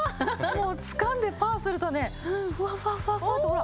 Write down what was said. もうつかんでパーするとねふわふわふわふわとほら。